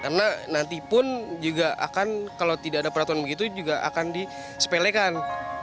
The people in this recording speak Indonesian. karena nantipun juga akan kalau tidak ada peraturan begitu juga akan disepelekan